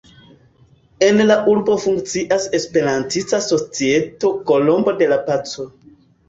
En la urbo funkcias Esperantista societo "Kolombo de la paco".